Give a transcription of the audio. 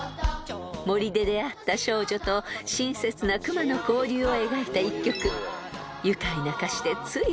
［森で出会った少女と親切なクマの交流を描いた１曲］